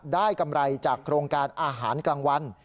กำไรจากโครงการอาหารกลางวัน